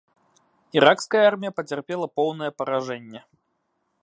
Іракская армія пацярпела поўнае паражэнне.